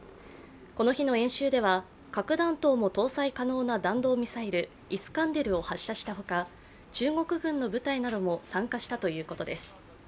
この日の演習では核弾頭も搭載可能な弾道ミサイル、イスカンデルを発射したほか中国軍の部隊なども参加したということです。